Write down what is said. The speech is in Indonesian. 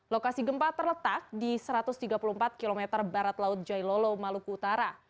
lokasi gempa terletak di satu ratus tiga puluh empat km barat laut jailolo maluku utara